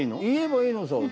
言えばいいのさ。